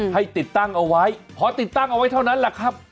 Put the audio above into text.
ให้ติดตั้งเอาไว้พอติดตั้งเอาไว้เท่านั้นแหละครับ